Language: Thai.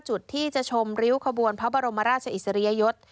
จุดที่จะชมริ้วขบวนพระบรมราชอิสริยยศ